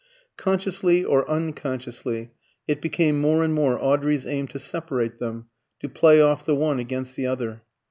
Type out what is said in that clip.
Consciously or unconsciously, it became more and more Audrey's aim to separate them, to play off the one against the other.